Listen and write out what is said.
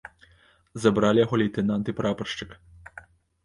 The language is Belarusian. Забралі яго лейтэнант і прапаршчык.